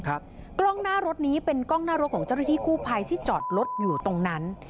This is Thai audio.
กล้องหน้ารถนี้เป็นกล้องหน้ารถของเจ้าหน้าที่กู้ภัยที่จอดรถอยู่ตรงนั้น